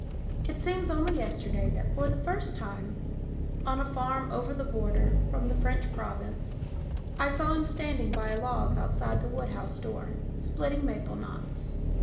It seems only yesterday that, for the first time, on a farm " over the border," from the French province, I saw him standing by a log outside the wood house door, splitting maple knots.